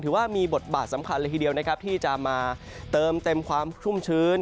ว่ามีบทบาทสำคัญเลยทีเดียวนะครับที่จะมาเติมเต็มความชุ่มชื้น